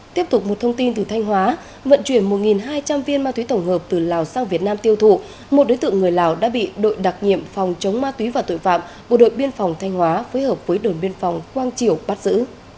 tiếp tục một thông tin từ thanh hóa vận chuyển một hai trăm linh viên ma túy tổng hợp từ lào sang việt nam tiêu thụ một đối tượng người lào đã bị đội đặc nhiệm phòng chống ma túy và tội phạm bộ đội biên phòng thanh hóa phối hợp với đồn biên phòng quang triều bắt giữ